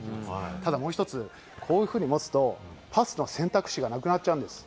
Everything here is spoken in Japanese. ただもう１つ、こういうふうに持つと、パスの選択肢がなくなっちゃうんです。